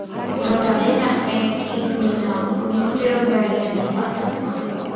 რო დავინახე ის ნინო მივხვდი რომ ძალიან მიყვარდა